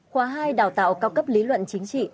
khóa hai đào tạo cao cấp lý luận chính trị